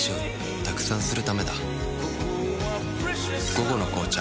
「午後の紅茶」